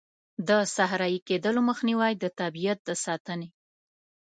د صحرایې کیدلو مخنیوی، د طبیعیت د ساتنې.